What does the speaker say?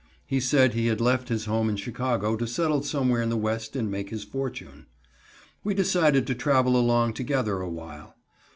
He said he had left his home in Chicago to settle somewhere in the West and make his fortune. We decided to travel along together awhile.